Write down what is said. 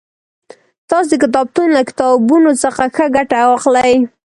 تاسو د کتابتون له کتابونو څخه ښه ګټه واخلئ